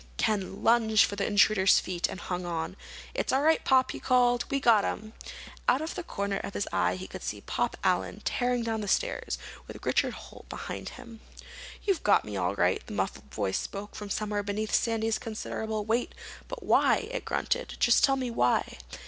Ken lunged for the intruder's feet and hung on. "It's all right, Pop!" he called. "We got him!" Out of the corner of his eye he could see Pop Allen tearing down the stairs, with Richard Holt right behind him. "You've got me all right." The muffled voice spoke from somewhere beneath Sandy's considerable weight. "But why?" it grunted. "Just tell me why?"